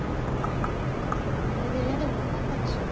これで嫌でも分かったでしょ？